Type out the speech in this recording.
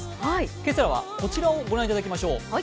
今朝はこちらをご覧いただきましょう。